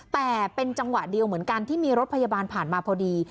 แต่เป็นจังหวะเดียวเหมือนกันที่มีรถพยาบาลผ่านมาพอดี